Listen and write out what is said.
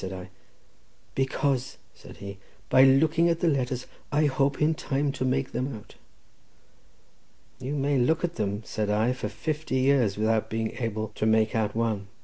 said I. "Because," said he, "by looking at the letters I hope in time to make them out." "You may look at them," said I, "for fifty years without being able to make out one.